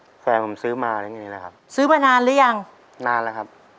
เสือผืนนี้แฟนผมซื้อมาอะไรอย่างนี้นะครับซื้อมานานหรือยังนานแล้วครับ